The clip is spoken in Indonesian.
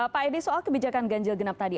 pak edi soal kebijakan ganjil genap tadi